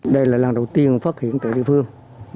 đây là lần đầu tiên phát hiện tại địa phương